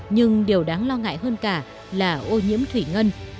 nhưng điều đáng lo ngại hơn cả là ô nhiễm thủy ngân